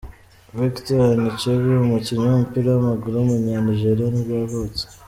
Victor Anichebe, umukinnyi w’umupira w’amaguru w’umunyanigeriya nibwo yavutse.